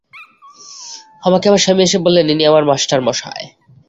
আমাকে আমার স্বামী এসে বললেন, ইনি আমার মাস্টারমশায়।